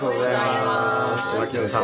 牧野さん